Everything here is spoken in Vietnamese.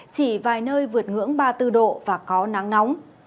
chỉ vài nơi vượt ngưỡng ba mươi bốn độ và có nắng nóng